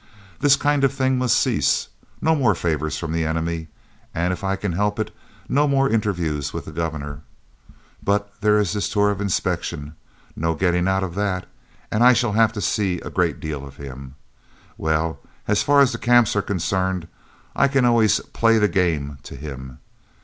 "This kind of thing must cease no more favours from the enemy, and, if I can help it, no more interviews with the Governor. But there is this tour of inspection no getting out of that, and I shall have to see a great deal of him. Well, as far as the Camps are concerned, I can always 'play the game' to him.